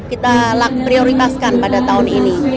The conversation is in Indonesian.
kita prioritaskan pada tahun ini